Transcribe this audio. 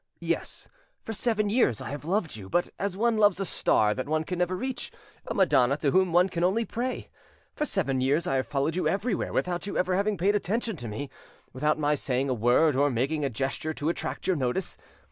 Yes, for seven years I have loved you, but as one loves a star that one can never reach, a madonna to whom one can only pray; for seven years I have followed you everywhere without you ever having paid attention to me, without my saying a word or making a gesture to attract your notice.